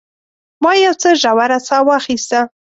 ما یو څه ژوره ساه واخیسته.